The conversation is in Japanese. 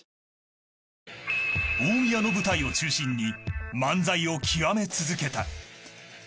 大宮の舞台を中心に漫才を極め続けた。